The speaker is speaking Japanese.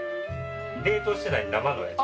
冷凍してない生のやつ。